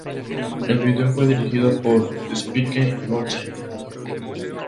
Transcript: El video fue dirigido por Spike Jonze.